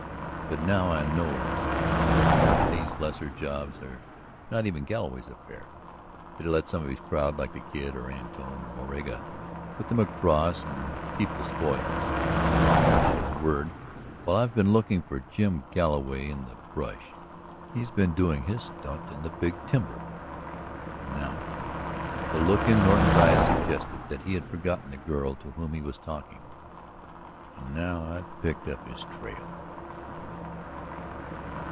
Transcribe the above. But now I know that most of these lesser jobs are not even Galloway's affair, that he lets some of his crowd like the Kid or Antone or Moraga put them across and keep the spoils, often enough. In a word, while I've been looking for Jim Galloway in the brush he has been doing his stunt in the big timber! And now. ..." The look in Norton's eyes suggested that he had forgotten the girl to whom he was talking. "And now I have picked up his trail!"